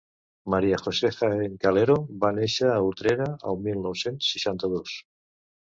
Maria José Jaén Calero va néixer a Utrera, el mil nou-cents seixanta-dos